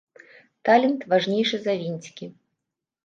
Талент важнейшы за вінцікі.